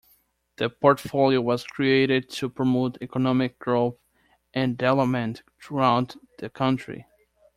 The portfolio was created to promote economic growth and development throughout the country.